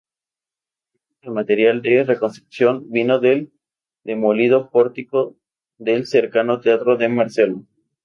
Parte del material de reconstrucción vino del demolido pórtico del cercano Teatro de Marcelo.